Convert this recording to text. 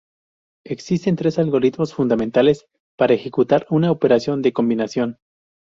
Existen tres algoritmos fundamentales para ejecutar una operación de combinación.